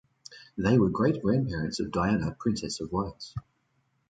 They were great-grandparents of Diana, Princess of Wales.